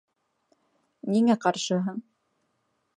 Ниңә ҡаршыһың?